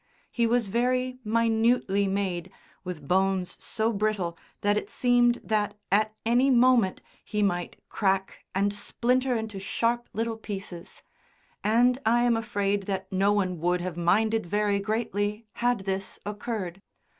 He was very minutely made, with bones so brittle that it seemed that, at any moment, he might crack and splinter into sharp little pieces; and I am afraid that no one would have minded very greatly had this occurred.